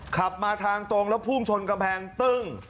ขับมาทางตรงแล้วพุ่งชนกำแพงตึ้ง